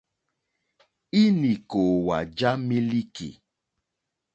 Ínì kòòwà já mílíkì.